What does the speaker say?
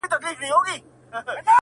د يوسفي حُسن شروع ته سرگردانه وو